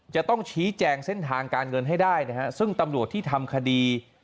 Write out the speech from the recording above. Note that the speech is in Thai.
จะต้องชี้แจงเส้นทางการเงินให้ได้นะฮะซึ่งตำรวจที่ทำคดี